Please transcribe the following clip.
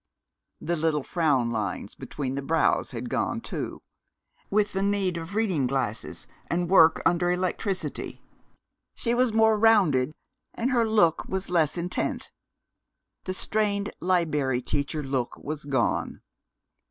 The little frown lines between the brows had gone, too, with the need of reading glasses and work under electricity. She was more rounded, and her look was less intent. The strained Liberry Teacher look was gone.